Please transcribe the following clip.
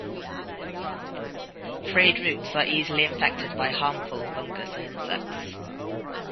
Frayed roots are easily infected by harmful fungus and insects.